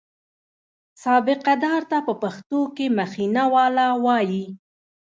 سابقه دار ته په پښتو کې مخینه والا وایي.